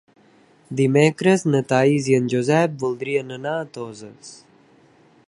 Dimecres na Thaís i en Josep voldrien anar a Toses.